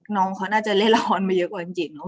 น้องเขาน่าจะเล่นละครมาเยอะกว่าจริง